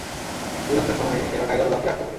অধিকাংশ সময়ই এরা টাইডাল লক- এ আটকে পড়ে।